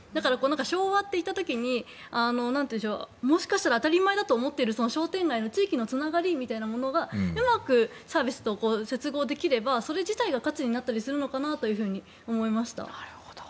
昭和って言った時にもしかしたら当たり前だと思っている商店街の地域のつながりみたいなものがうまくサービスと接合できればそれ自体が価値になったりするのかなと思いました。